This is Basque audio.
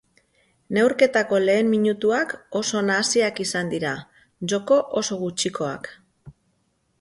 Neurketako lehen minutuak oso nahasiak izan dira, joko oso gutxikoak.